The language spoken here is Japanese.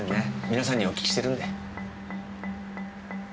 皆さんにお訊きしてるので。